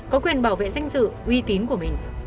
có quyền bảo vệ danh dự uy tín của mình